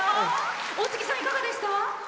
大月さん、いかがでした？